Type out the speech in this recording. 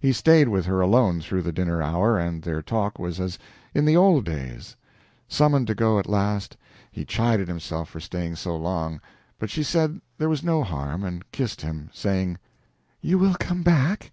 He stayed with her alone through the dinner hour, and their talk was as in the old days. Summoned to go at last, he chided himself for staying so long; but she said there was no harm and kissed him, saying, "you will come back?"